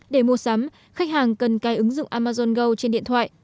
để mua sắm khách hàng cần cài ứng dụng amazon go trên điện thoại